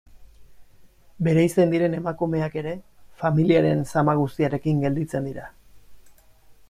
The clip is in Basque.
Bereizten diren emakumeak ere, familiaren zama guztiarekin gelditzen dira.